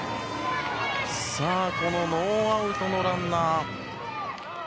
ノーアウトのランナー。